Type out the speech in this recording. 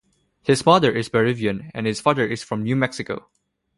His mother is Peruvian, and his father from New Mexico.